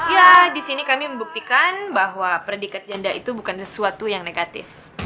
ya disini kami membuktikan bahwa perdikat janda itu bukan sesuatu yang negatif